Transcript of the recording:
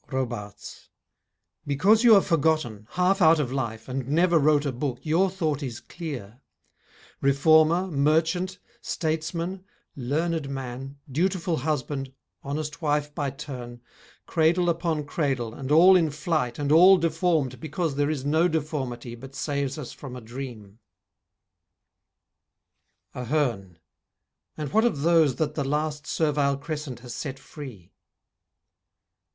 ROBARTES Because you are forgotten, half out of life, And never wrote a book your thought is clear. Reformer, merchant, statesman, learned man, Dutiful husband, honest wife by turn, Cradle upon cradle, and all in flight and all Deformed because there is no deformity But saves us from a dream. AHERNE And what of those That the last servile crescent has set free?